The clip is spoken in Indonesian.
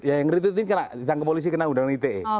yang retweet ini kita tangkap polisi kena undang ite